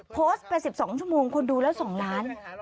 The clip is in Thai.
โพสต์ไป๑๒ชั่วโมงคนดูแล้ว๒ล้าน